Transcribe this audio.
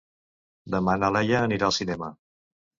Demà na Laia anirà al cinema.